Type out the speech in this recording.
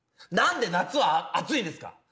なんで夏は暑いんですか？